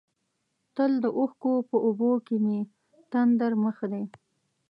تل د اوښکو په اوبو کې مې تندر مخ دی.